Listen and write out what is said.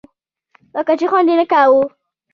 لکه چې خوند یې نه کاوه.